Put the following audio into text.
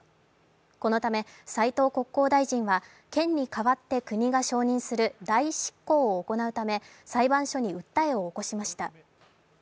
このため斉藤国交大臣は、県に代わって国が承認する代執行を行うため、裁判所に訴えを起こしました。